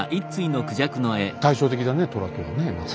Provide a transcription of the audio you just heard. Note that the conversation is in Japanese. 対照的だね虎とはねまた。